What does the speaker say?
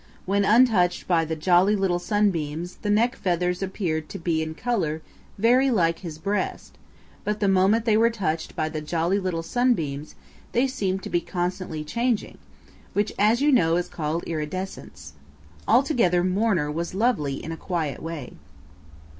When untouched by the Jolly Little Sunbeams the neck feathers appeared to be in color very like his breast, but the moment they were touched by the Jolly Little Sunbeams they seemed to be constantly changing, which, as you know, is called iridescence. Altogether Mourner was lovely in a quiet way.